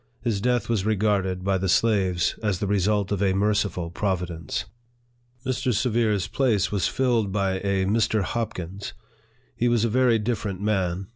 His death was regarded by the slaves as the result of a merciful providence. Mr. Severe's place was filled by a Mr. Hopkins. He was a very different man.